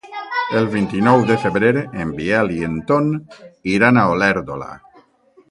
El vint-i-nou de febrer en Biel i en Ton iran a Olèrdola.